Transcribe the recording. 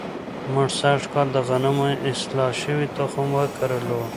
موږ سږ کال د غنمو اصلاح شوی تخم وکرلو.